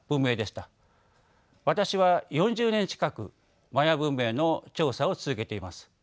私は４０年近くマヤ文明の調査を続けています。